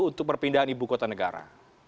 untuk perpindahan ibu kota negara